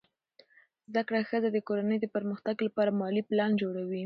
زده کړه ښځه د کورنۍ د پرمختګ لپاره مالي پلان جوړوي.